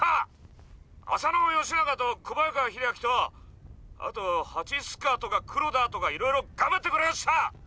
浅野幸長と小早川秀秋とあと蜂須賀とか黒田とかいろいろ頑張ってくれました！